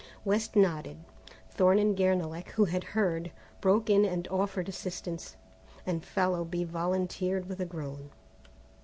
West nodded. Thorne and Guernalec, who had heard, broke in and offered assistance, and Fallowby volunteered with a groan.